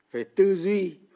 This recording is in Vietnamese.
về tư duy